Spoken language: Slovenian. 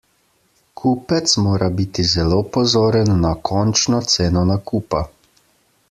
Kupec mora biti zelo pozoren na končno ceno nakupa.